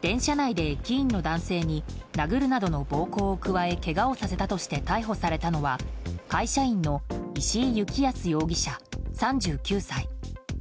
電車内で駅員の男性に殴るなどの暴行を加えけがをさせたとして逮捕されたのは会社員の石井幸康容疑者、３９歳。